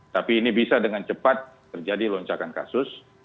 tapi ini bisa dengan cepat terjadi lonjakan kasus